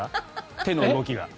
手の動きが。